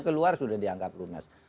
keluar sudah dianggap lunas